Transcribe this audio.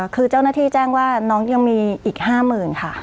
คือเจ้าหน้าที่แจ้งว่าน้องยังมีอีก๕๐๐๐ค่ะ